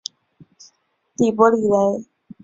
蒂珀雷里。